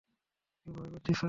আমি ভয় পাচ্ছি, স্যার।